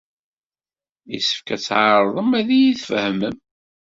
Yessefk ad tɛerḍem ad iyit-tfehmem.